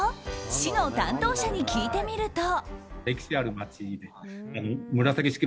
市の担当者に聞いてみると。